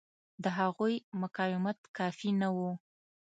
د هغوی مقاومت کافي نه و.